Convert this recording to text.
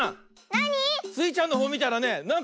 なに⁉スイちゃんのほうみたらねなんかあったよ。